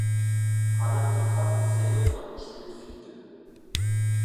Hannah Rickard ist Sängerin und spielt Fiddle.